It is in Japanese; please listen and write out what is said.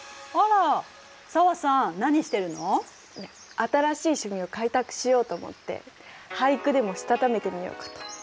新しい趣味を開拓しようと思って俳句でもしたためてみようかと。